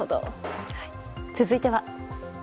続いては。